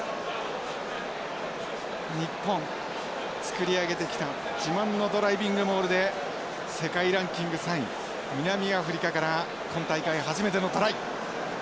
日本作り上げてきた自慢のドライビングモールで世界ランキング３位南アフリカから今大会初めてのトライ。